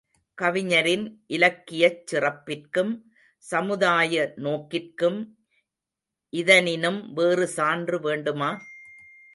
கவிஞரின் இலக்கியச் சிறப்பிற்கும் சமுதாய நோக்கிற்கும் இதனினும் வேறு சான்று வேண்டுமா?